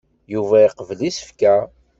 Yuba iqebbel isefka.